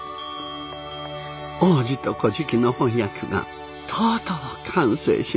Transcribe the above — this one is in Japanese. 「王子と乞食」の翻訳がとうとう完成しました。